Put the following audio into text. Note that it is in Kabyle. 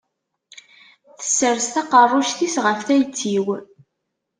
Tessers taqerruct-is ɣef tayet-iw.